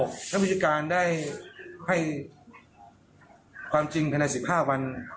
นักวิทยาการได้ให้ความจริงภายใน๑๕วัน